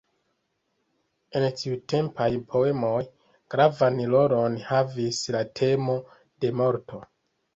En tiutempaj poemoj, gravan rolon havis la temo de morto.